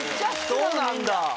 そうなんだ。